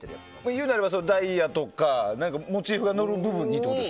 いうなればダイヤとかモチーフが載る部分にってこと？